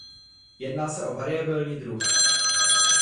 Jedná se o variabilní druh.